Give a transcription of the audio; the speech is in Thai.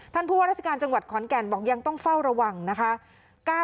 ท่านผู้ว่าราชการจังหวัดขอนแก่นบอกยังต้องเฝ้าระวังนะคะ